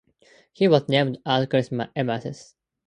He was named as chairman emeritus.